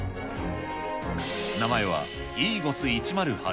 名前はイーゴス１０８。